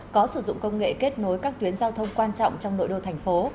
có sử dụng công nghệ kết nối các tuyến giao thông quan trọng trong nội đô thành phố